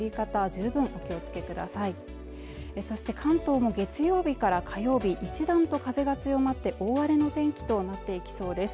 十分お気をつけくださいそして関東も月曜日から火曜日一段と風が強まって大荒れの天気となっていきそうです